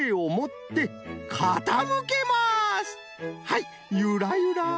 はいゆらゆら